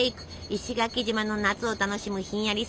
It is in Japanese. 石垣島の夏を楽しむひんやり